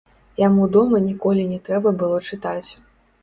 Яму дома ніколі не трэба было чытаць.